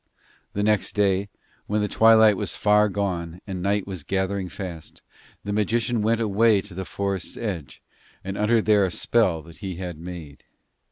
The next day, when the twilight was far gone and night was gathering fast, the magician went away to the forest's edge, and uttered there the spell that he had made.